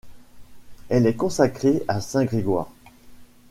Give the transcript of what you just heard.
Elle est consacrée à Saint-Grégoire.